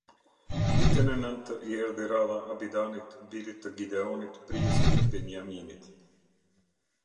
Ditën e nëntë i erdhi radha Abidanit, birit të Gideonit, prijësit të Beniaminit.